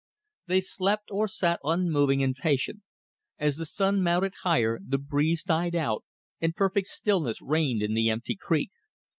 They slept or sat unmoving and patient. As the sun mounted higher the breeze died out, and perfect stillness reigned in the empty creek.